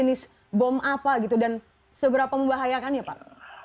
ini jenis bom apa gitu dan seberapa membahayakan ya pak